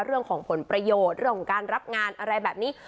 เรื่องของผลประโยชน์เรื่องของการรับงานอะไรแบบนี้